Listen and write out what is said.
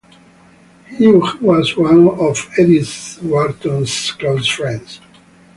He was one of Edith Wharton's close friends.